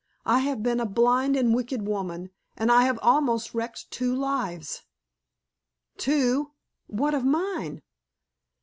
"I have been a blind and wicked woman, and I have almost wrecked two lives." Two! What of mine?